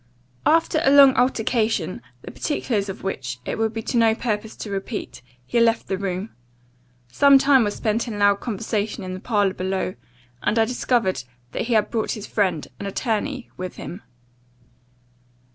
"After a long altercation, the particulars of which, it would be to no purpose to repeat, he left the room. Some time was spent in loud conversation in the parlour below, and I discovered that he had brought his friend, an attorney, with him.